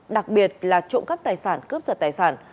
đặc biệt là trộm cắp tài sản cướp giật tài sản